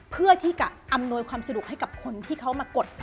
เพื่อที่จะอำนวยความสะดวกให้กับคนที่เขามากด